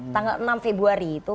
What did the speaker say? tanggal enam februari itu